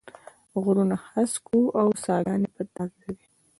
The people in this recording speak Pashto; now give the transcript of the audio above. غرونه هسک و او ساګاني به تازه وې